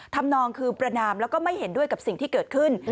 ทำนองคือประนามแล้วก็ไม่เห็นด้วยกับสิ่งที่เกิดขึ้น